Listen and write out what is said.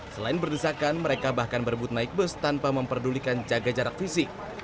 selain berdesakan mereka bahkan berebut naik bus tanpa memperdulikan jaga jarak fisik